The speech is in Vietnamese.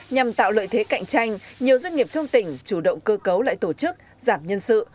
nhằm tạo lợi thế cạnh tranh nhiều doanh nghiệp trong tỉnh chủ động cơ cấu lại tổ chức giảm nhân sự